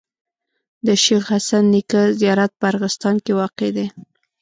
د شيخ حسن نیکه زیارت په ارغستان کي واقع دی.